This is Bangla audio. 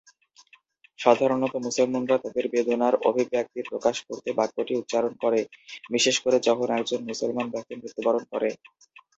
সাধারণত মুসলমানরা তাদের বেদনার অভিব্যক্তি প্রকাশ করতে বাক্যটি উচ্চারণ করে, বিশেষ করে যখন একজন মুসলমান ব্যক্তি মৃত্যুবরণ করে।